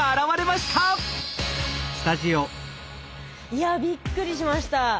いやびっくりしました。